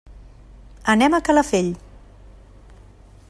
Anem a Calafell.